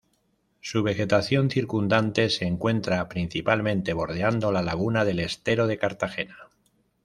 Su vegetación circundante se encuentra principalmente bordeando la laguna del estero de Cartagena.